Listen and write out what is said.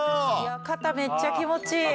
肩めっちゃ気持ちいい。